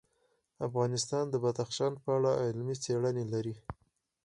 افغانستان د بدخشان په اړه علمي څېړنې لري.